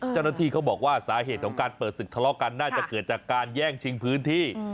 เจ้าหน้าที่เขาบอกว่าสาเหตุของการเปิดศึกทะเลาะกันน่าจะเกิดจากการแย่งชิงพื้นที่